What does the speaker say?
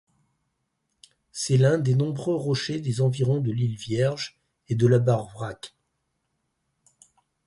C'est l'un des nombreux rochers des environs de l'île Vierge et de l'Aber Wrac'h.